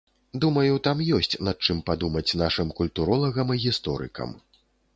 Думаю, там ёсць над чым падумаць нашым культуролагам і гісторыкам.